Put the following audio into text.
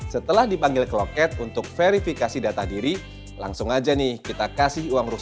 setelah dipanggil ke loket untuk verifikasi data diri langsung aja nih kita kasih uang rusak